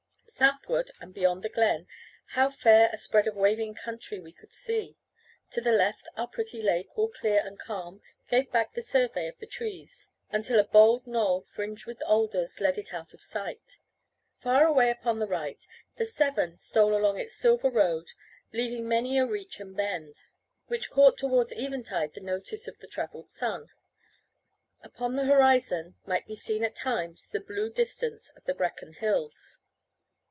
Southward, and beyond the glen, how fair a spread of waving country we could see! To the left, our pretty lake, all clear and calm, gave back the survey of the trees, until a bold gnoll, fringed with alders, led it out of sight. Far away upon the right, the Severn stole along its silver road, leaving many a reach and bend, which caught towards eventide the notice of the travelled sun. Upon the horizon might be seen at times, the blue distance of the Brecon hills.